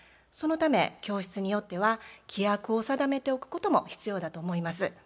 そのため教室によっては規約を定めておくことも必要だと思います。